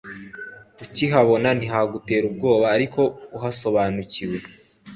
ukihabona ntihagutera ubwoba ariko uhasobanukiwe